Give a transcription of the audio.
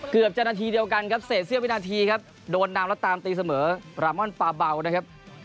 เกือบจะนาทีเดียวกันครับเสร็จเสี้ยวินาทีครับโดนนำแล้วตามตีเสมอรามอนปาเบานะครับ